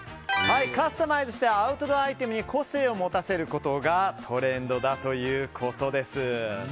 カスタマイズしてアウトドアアイテムに個性を持たせることがトレンドだということです。